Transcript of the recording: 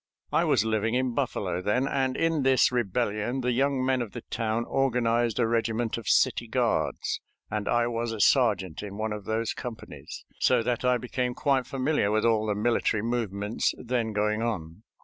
I was living in Buffalo then, and in this rebellion the young men of the town organized a regiment of city guards, and I was a sergeant in one of those companies, so that I became quite familiar with all the military movements then going on.